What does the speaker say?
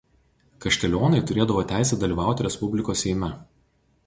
Kaštelionai turėdavo teisę dalyvauti Respublikos Seime.